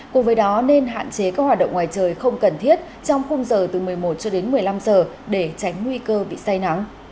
cùng với đó nên hạn chế các hoạt động ngoài trời không cần thiết trong khung giờ từ một mươi một cho đến một mươi năm giờ để tránh nguy cơ bị say nắng